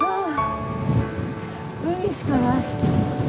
海しかない。